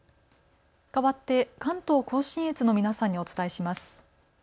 かわって関東甲信越の皆さんにお伝えします。